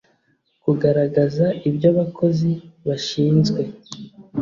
kugaragaza ibyo abakozi bashinzwe